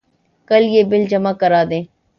کل یہ بل جمع کرادیں